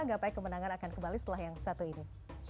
gapai kemenangan akan kembali setelah yang satu ini